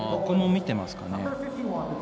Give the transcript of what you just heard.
ここも見ていますかね。